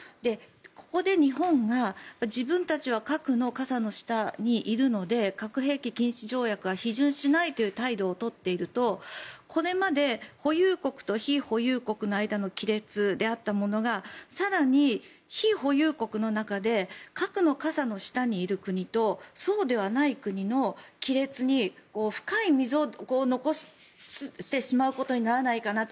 ここで日本が自分たちが核の傘の下にいるので核兵器禁止条約は批准しないという態度を取っているとこれまで保有国と非保有国の間の亀裂であったものが更に非保有国の中で核の傘の下にいる国とそうではない国の亀裂に深い溝を残してしまうことにならないかな